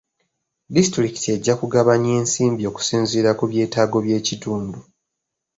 Disitulikiti ejja kugabanya ensimbi okusinziira ku byetaago by'ekitundu.